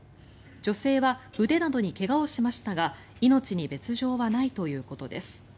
女性は腕などに怪我をしましたが命に別条はないということです。